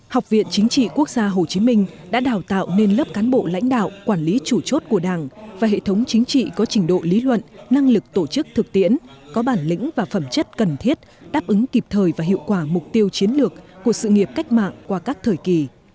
học viện chính trị quốc gia hồ chí minh đã đào tạo nên lớp cán bộ lãnh đạo quản lý chủ chốt của đảng và hệ thống chính trị có trình độ lý luận năng lực tổ chức thực tiễn có bản lĩnh và phẩm chất cần thiết đáp ứng kịp thời và hiệu quả mục tiêu chiến lược của sự nghiệp cách mạng qua các thời kỳ